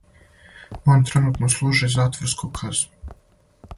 Он тренутно служи затворску казну.